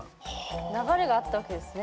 流れがあったわけですね